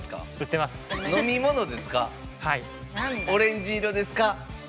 オレンジ色ですか？